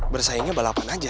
bersaingnya balapan aja